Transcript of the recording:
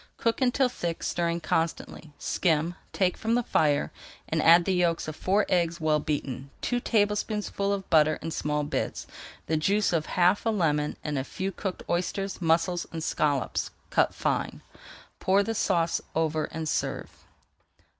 Cook until thick, stirring constantly, skim, take from the fire, and add the yolks of four eggs well beaten, two tablespoonfuls of butter in small bits, the juice of half a lemon, and a few cooked oysters, mussels, and scallops cut fine. Pour the sauce over and serve.